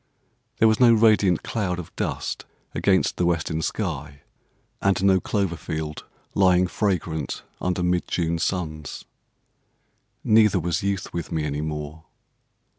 There was no radiant cloud of dust against the western sky, and no clover field lying fragrant under mid June suns, Neither was youth with me any more.